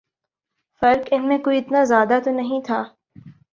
فرق ان میں کوئی اتنا زیادہ تو نہیں تھا